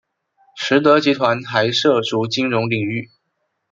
实德集团还涉足金融领域。